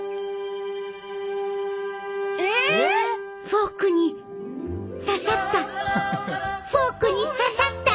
フォークに刺さったフォークに刺さった！